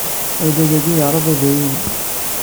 Argaz-a yeɛreḍ ad iyi-ineɣ.